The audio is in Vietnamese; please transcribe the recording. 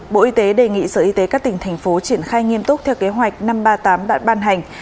bộ y tế đề nghị sở y tế các tỉnh thành phố triển khai nghiêm túc theo kế hoạch năm trăm ba mươi tám đã ban hành